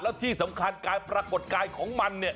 แล้วที่สำคัญการปรากฏกายของมันเนี่ย